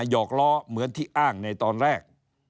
หอกล้อเหมือนที่อ้างในตอนแรก